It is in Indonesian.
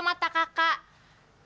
masalah apa kamu